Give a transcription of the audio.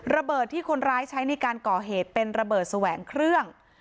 ระเบิดที่คนร้ายใช้ในการก่อเหตุเป็นระเบิดแสวงเครื่อง